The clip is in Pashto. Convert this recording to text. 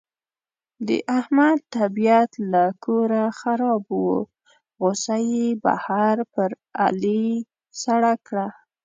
د احمد طبیعت له کوره خراب و، غوسه یې بهر په علي سړه کړه.